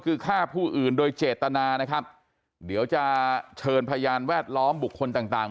คือฆ่าผู้อื่นโดยเจตนานะครับเดี๋ยวจะเชิญพยานแวดล้อมบุคคลต่างต่าง